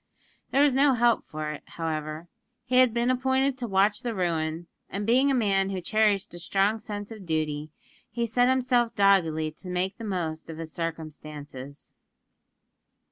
There was no help for it, however. He had been appointed to watch the ruin; and, being a man who cherished a strong sense of duty, he set himself doggedly to make the most of his circumstances.